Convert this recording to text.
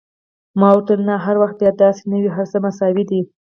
ما ورته وویل: نه، هر وخت بیا داسې نه وي، هر څه مساوي دي.